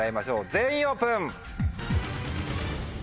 全員オープン！